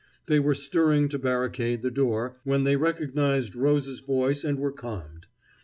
They were stirring to barricade the door, when they recognized Rose's voice and were calmed.